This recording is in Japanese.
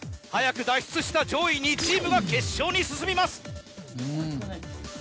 早く脱出した上位２チームが決勝に進みます。